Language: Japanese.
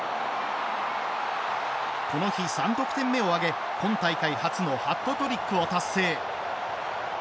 この日、３得点目を挙げ今大会初のハットトリックを達成。